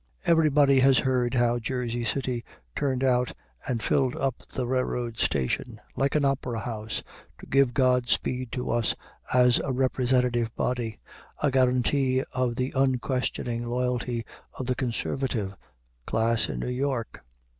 Everybody has heard how Jersey City turned out and filled up the Railroad Station, like an opera house, to give God speed to us as a representative body, a guaranty of the unquestioning loyalty of the "conservative" class in New York.